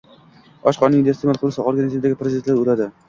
Och qoringa isteʼmol qilinsa, organizmdagi parazitlar oʻladi;